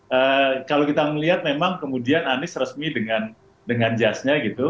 ya kalau kita melihat memang kemudian anies resmi dengan dengan jasnya gitu